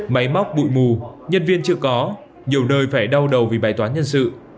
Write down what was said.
máy móc bụi mù nhân viên chưa có nhiều nơi phải đau đầu vì bài toán nhân sự